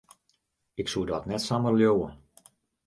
Ik soe dat net samar leauwe.